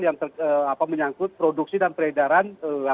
yang menyangkut produksi dan peredaran